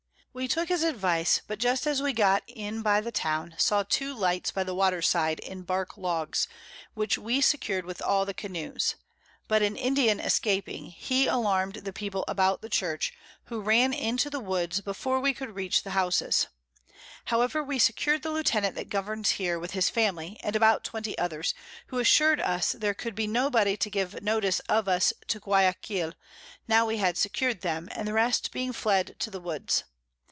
We took his Advice, but just as we got in by the Town, saw two Lights by the Water side in Bark Logs, which we secured with all the Canoes; but an Indian escaping, he alarm'd the People about the Church, who ran into the Woods before we could reach the Houses: However we secur'd the Lieutenant that governs here, with his Family, and about 20 others, who assur'd us there could be no body to give notice of us to Guiaquil, now we had secur'd them, and the rest being fled to the Woods.